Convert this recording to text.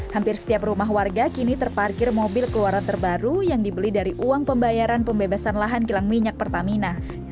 hampir setiap rumah warga kini terparkir mobil keluaran terbaru yang dibeli dari uang pembayaran pembebasan lahan kilang minyak pertamina